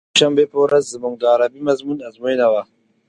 د شنبې په ورځ زموږ د عربي مضمون ازموينه وه.